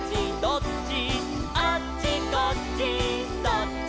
「あっちこっちそっち」